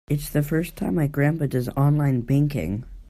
It's the first time my grandpa does online banking.